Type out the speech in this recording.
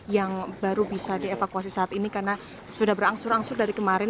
yang baru bisa dievakuasi saat ini karena sudah berangsur angsur dari kemarin